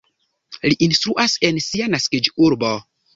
Li instruas en sia naskiĝurbo.